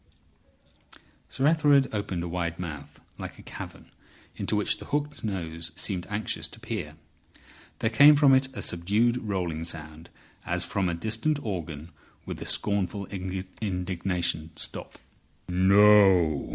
Sir Ethelred opened a wide mouth, like a cavern, into which the hooked nose seemed anxious to peer; there came from it a subdued rolling sound, as from a distant organ with the scornful indignation stop. "No!